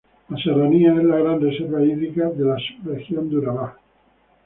La serranía es la gran reserva hídrica de la subregión de Urabá.